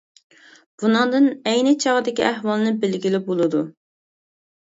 بۇنىڭدىن ئەينى چاغدىكى ئەھۋالنى بىلگىلى بولىدۇ.